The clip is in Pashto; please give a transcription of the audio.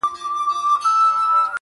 د دې خوب تعبير يې ورکه شیخ صاحبه,